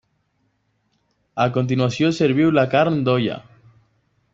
A continuació serviu la carn d'olla.